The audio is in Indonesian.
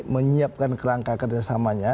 menyiapkan kerangka kerjasamanya